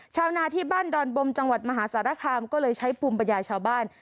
ชาวนาที่บ้านดอนบมจังหวัดมหาสารคามก็เลยใช้ภูมิปัญญาชาวบ้าน